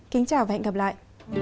kính chào và hẹn gặp lại